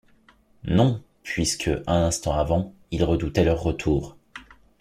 Non, puisque, un instant avant, il redoutait leur retour